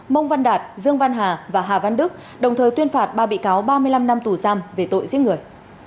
mông văn đạt dương văn hà và hà văn đức đồng thời tuyên phạt ba bị cáo ba mươi năm năm tù giam về tội giết người